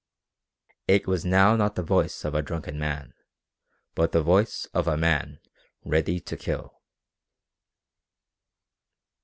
It was not now the voice of a drunken man, but the voice of a man ready to kill.